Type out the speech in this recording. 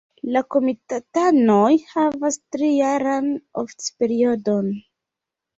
La komitatanoj havas trijaran oficperiodon.